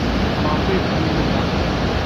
Maɣef ay yettxemmim akka?